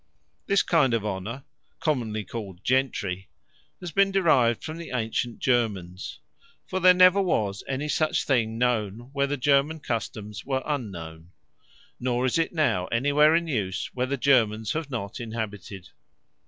This kind of Honour, commonly called Gentry, has been derived from the Antient Germans. For there never was any such thing known, where the German Customes were unknown. Nor is it now any where in use, where the Germans have not inhabited.